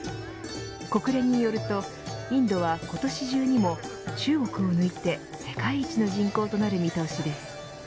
国連によるとインドは今年中にも中国を抜いて世界一の人口となる見通しです。